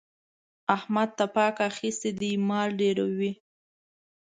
احمد تپاک اخيستی دی؛ مال ډېروي.